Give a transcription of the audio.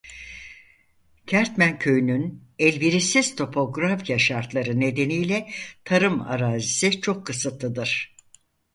Kertmen köyünün elverişsiz topoğrafya şartları nedeniyle tarım arazisi çok kısıtlıdır.